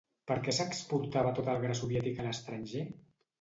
Per què s'exportava tot el gra soviètic a l'estranger?